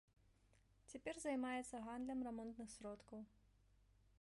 Цяпер займаецца гандлем рамонтных сродкаў.